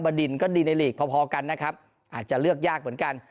ดินก็ดีในหลีกพอพอกันนะครับอาจจะเลือกยากเหมือนกัน